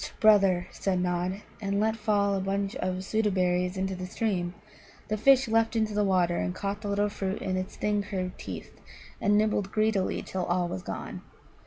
"Hsst, brother," said Nod, and let fall a bunch of Soota berries into the stream. The fish leapt in the water, and caught the little fruit in its thin, curved teeth, and nibbled greedily till all was gone.